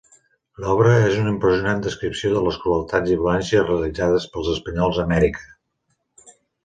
L'obra és una impressionant descripció de les crueltats i violències realitzades pels espanyols a Amèrica.